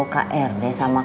k r d sama k r l